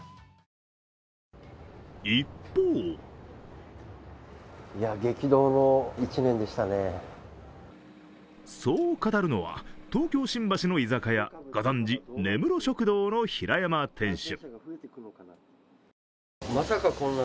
一方そう語るのは東京・新橋の居酒屋、ご存じ根室食堂の平山店主。